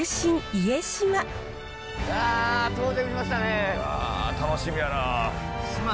いや楽しみやな。